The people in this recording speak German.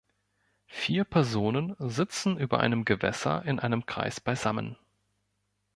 Vier Personen sitzen über einem Gewässer in einem Kreis beisammen.